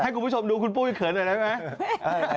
คุณผู้ชมดูคุณปุ้ยเขินหน่อยได้ไหม